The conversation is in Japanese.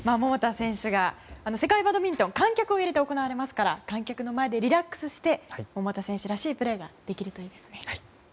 世界バドミントンは観客を入れて行われますから観客の前でリラックスして桃田選手らしいプレーができるといいですね。